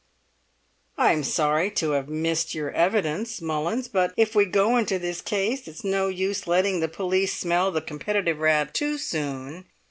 "I'm sorry to have missed your evidence, Mullins, but if we go into this case it's no use letting the police smell the competitive rat too soon.